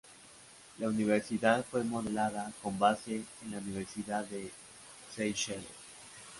La universidad fue modelada con base en la Universidad de Seychelles.